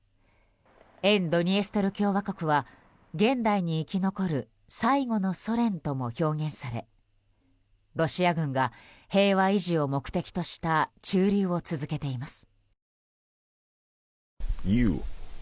沿ドニエステル共和国は現代に生き残る最後のソ連とも表現されロシア軍が平和維持を目的とした駐留を続けています。